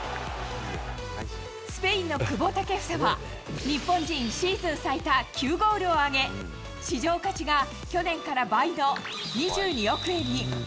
スペインの久保建英は、日本人シーズン最多９ゴールを挙げ、市場価値が、去年から倍の２２億円に。